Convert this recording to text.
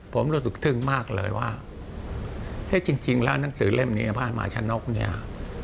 ผมรู้สึกทึ่งมากเลยว่าเอ๊ะจริงแล้วหนังสือเล่มนี้บ้านหมาชะนกเนี่ย